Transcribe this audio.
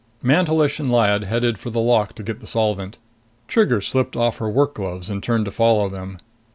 Mantelish and Lyad headed for the lock to get the solvent. Trigger slipped off her work gloves and turned to follow them.